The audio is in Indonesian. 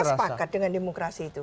saya sepakat dengan demokrasi itu